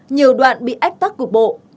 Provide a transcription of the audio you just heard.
nhiều đoạn bị ách tắt cục bộ